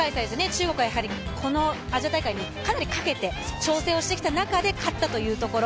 中国は、やはりこのアジア大会にかなりかけて調整をしてきた中で勝ったというところ。